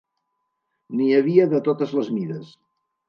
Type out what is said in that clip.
N'hi havia de totes les mides.